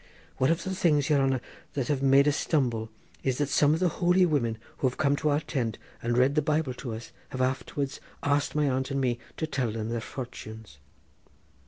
"One of the things, yere hanner, that have made us stumble is that some of the holy women, who have come to our tent and read the Bible to us, have afterwards asked my aunt and me to tell them their fortunes."